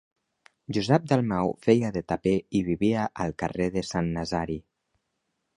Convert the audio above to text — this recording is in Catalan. Josep Dalmau feia de taper i vivia al carrer de Sant Nazari.